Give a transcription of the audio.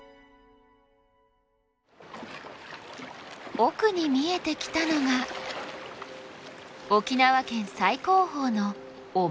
奥に見えてきたのが沖縄県最高峰の於茂登岳。